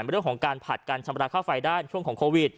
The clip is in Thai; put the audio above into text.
เรื่องของการผลัดการชำระค่าไฟด้านช่วงของโควิด